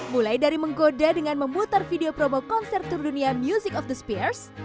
mulai dari menggoda dengan memutar video promo konser tour dunia music of the spears